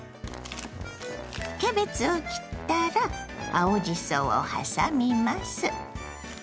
キャベツを切ったら青じそをはさみます。